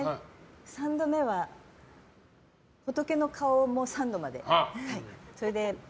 ３度目は、仏の顔も三度まで。